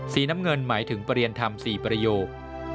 สีน้ำเงินหมายถึงประเรียนธรรม๔ประโยค